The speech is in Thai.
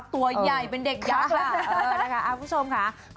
ตัวใหญ่เป็นเด็กยักษ์ล่ะ